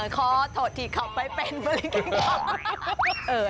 ขอโทษที่เขาไปเป็นบริการก่อน